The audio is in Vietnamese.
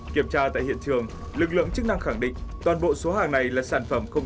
kiểm tra tại hiện trường lực lượng chức năng khẳng định toàn bộ số hàng này là sản phẩm không